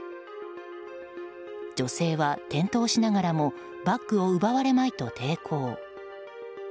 女性は転倒しながらもバッグを奪われまいと抵抗。